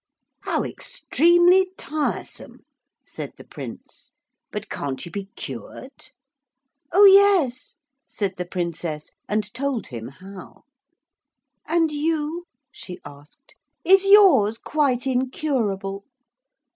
'How extremely tiresome,' said the Prince, 'but can't you be cured?' 'Oh yes,' said the Princess, and told him how. 'And you,' she asked, 'is yours quite incurable?'